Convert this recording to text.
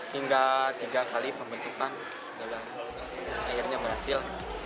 hingga tiga kali pembentukan dan akhirnya berhasil